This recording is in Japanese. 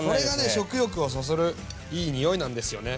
食欲をそそるいい匂いなんですよね。